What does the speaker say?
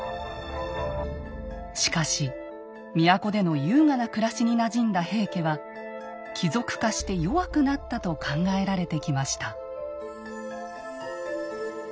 しかし都での優雅な暮らしになじんだ平家は貴族化して弱くなったと考えられてきました。